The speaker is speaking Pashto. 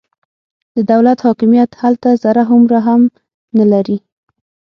د دولت حاکمیت هلته ذره هومره هم نه لري.